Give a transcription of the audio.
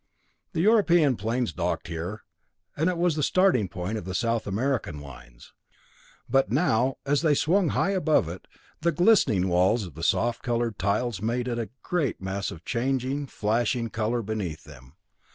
The European planes docked here, and it was the starting point of the South American lines. But now, as they swung high above it, the glistening walls of soft colored tiles made it a great mass of changing, flashing color beneath them.